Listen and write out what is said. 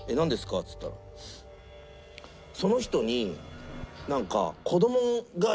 っつったらその人になんか。